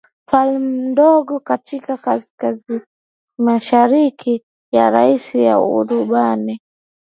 falme ndogo katika kaskazinimashariki ya Rasi ya Uarabuni